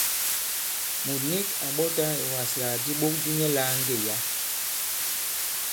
Mùt nik à ɓɔtā ìwaslàk di iɓok di nyɛ lāa ŋgê yǎ.